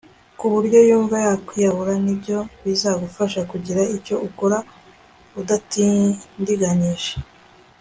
ku buryo yumva yakwiyahura ni byo bizagufasha kugira icyo ukora udatindiganyije